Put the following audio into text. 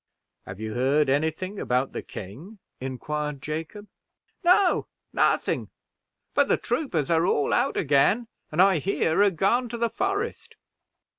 "Have you heard any thing about the king?" inquired Jacob. "No, nothing; but the troopers are all out again, and, I hear, are gone to the forest."